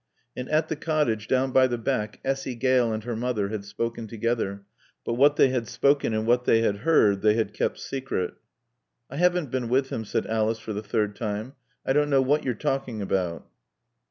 And at the cottage down by the beck Essy Gale and her mother had spoken together, but what they had spoken and what they had heard they had kept secret. "I haven't been with him," said Alice for the third time. "I don't know what you're talking about."